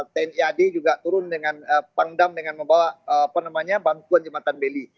tniad juga turun dengan pangdam dengan membawa bantuan jemaatan beli